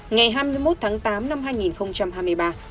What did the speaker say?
ngày hai mươi một tháng tám năm hai nghìn hai mươi ba